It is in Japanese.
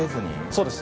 そうです。